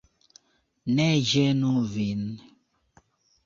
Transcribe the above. Ne ĝenu vin!